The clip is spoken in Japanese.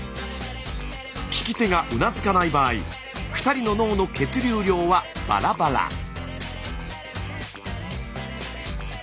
聞き手がうなずかない場合２人の脳の血流量はバラバラ。